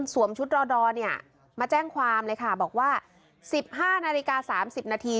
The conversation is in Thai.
สวมชุดรอมาแจ้งความเลยค่ะบอกว่า๑๕นาฬิกา๓๐นาที